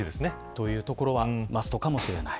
というところはマストかもしれない。